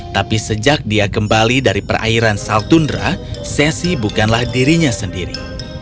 tapi sejak dia kembali dari perairan saltundra sesi bukanlah dirinya sendiri